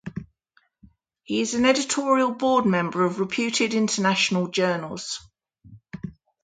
He is an editorial board member of reputed international journals.